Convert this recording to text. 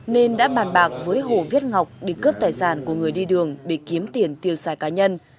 nên đã bàn bạc với hồ viết ngọc đi cướp tài sản của người đi đường để kiếm tiền tiêu xài cá nhân